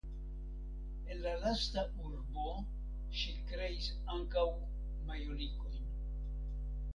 En la lasta urbo ŝi kreis ankaŭ majolikojn.